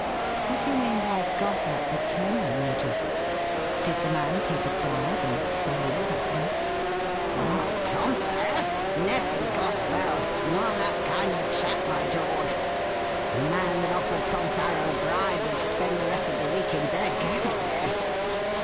"What do you mean by 'got at' the trainer, Major? Did the man take a bribe and 'sell' you that way?" "What, Tom Farrow? Never in God's world! Not that kind of a chap, by George! The man that offered Tom Farrow a bribe would spend the rest of the week in bed gad, yes!